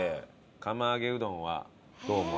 釜揚げうどんはどう思われます？